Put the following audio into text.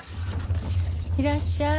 いらっしゃい。